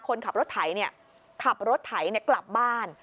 คนขับรถไถเนี่ยขับรถไถเนี่ยกลับบ้าน